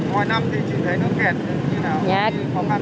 mỗi năm thì chị thấy nó kẹt như thế nào